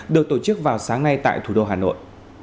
được tổ chức vào sáng nay tại thủ đô hà nội